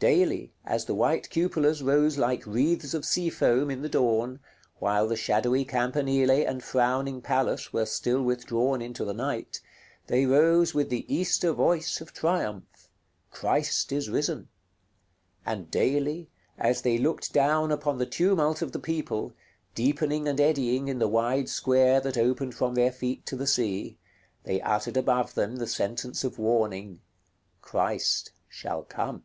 Daily, as the white cupolas rose like wreaths of sea foam in the dawn, while the shadowy campanile and frowning palace were still withdrawn into the night, they rose with the Easter Voice of Triumph, "Christ is risen;" and daily, as they looked down upon the tumult of the people, deepening and eddying in the wide square that opened from their feet to the sea, they uttered above them the sentence of warning, "Christ shall come."